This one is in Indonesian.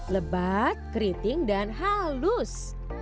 lebat keriting dan halus